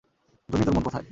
জুনি তোর মন কোথায়?